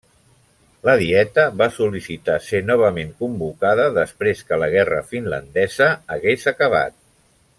La Dieta va sol·licitar ser novament convocada després que la Guerra finlandesa hagués acabat.